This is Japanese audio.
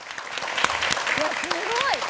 すごい！